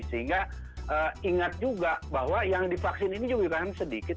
sehingga ingat juga bahwa yang divaksin ini juga bahkan sedikit